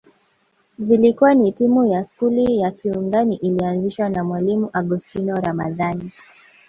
Zilikuwa ni timu ya skuli ya Kiungani iliyoanzishwa na Mwalimu Augostino Ramadhani